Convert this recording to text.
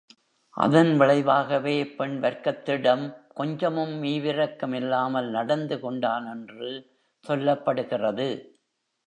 அதன் விளைவாகவே பெண் வர்க்கத்திடம் கொஞ்சமும் ஈவிரக்கமில்லாமல் நடந்து கொண்டான் என்று சொல்லப்படுகிறது.